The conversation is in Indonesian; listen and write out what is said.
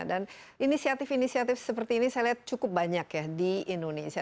dan inisiatif inisiatif seperti ini saya lihat cukup banyak ya di indonesia